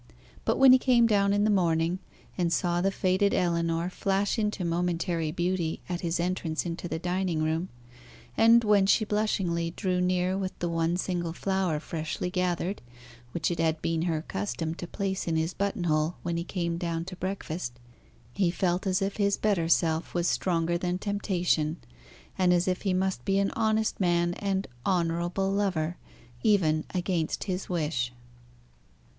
But when he came down in the morning, and saw the faded Ellinor flash into momentary beauty at his entrance into the dining room, and when she blushingly drew near with the one single flower freshly gathered, which it had been her custom to place in his button hole when he came down to breakfast, he felt as if his better self was stronger than temptation, and as if he must be an honest man and honourable lover, even against his wish.